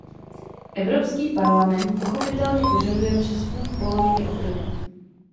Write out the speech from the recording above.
Evropský parlament pochopitelně požaduje přezkum v polovině období.